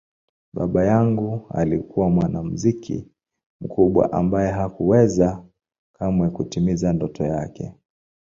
Baba yangu alikuwa mwanamuziki mkubwa ambaye hakuweza kamwe kutimiza ndoto yake.